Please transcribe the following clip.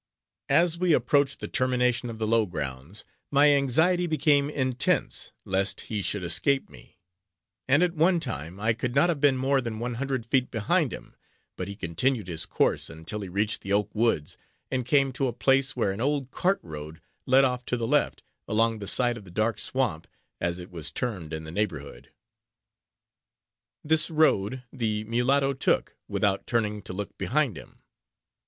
As we approached the termination of the low grounds, my anxiety became intense, lest he should escape me; and at one time, I could not have been more than one hundred feet behind him; but he continued his course, until he reached the oak woods, and came to a place where an old cart road led off to the left, along the side of the Dark Swamp, as it was termed in the neighborhood. This road, the mulatto took, without turning to look behind him.